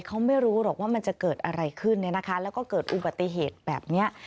เขาไม่รู้หรอกว่ามันจะเกิดอะไรขึ้นเนี่ยนะคะแล้วก็เกิดอุบัติเหตุแบบนี้